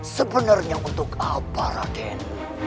sebenarnya untuk apa raden